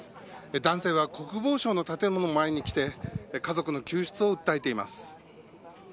男性は国防省の建物の前に来て家族の救出を訴えています。